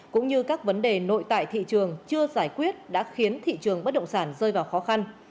cũng như các vấn đề nội tại thị trường chưa giải quyết đã khiến thị trường bất động sản rơi vào khó khăn